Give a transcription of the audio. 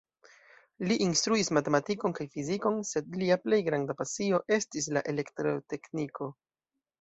Li instruis matematikon kaj fizikon, sed lia plej granda pasio estis la elektrotekniko.